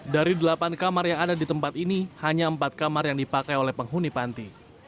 dari delapan kamar yang ada di tempat ini hanya empat kamar yang dipakai oleh penghuni panti